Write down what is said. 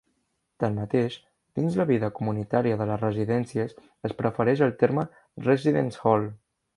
Tanmateix, dins la vida comunitària de les residències es prefereix el terme "residence hall".